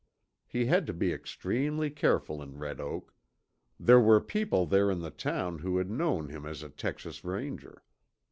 He had to be extremely careful in Red Oak. There were people there in the town who had known him as a Texas Ranger.